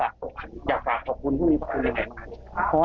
อยากฝากขอบคุณทุกคนทุกคนด้วยนะครับ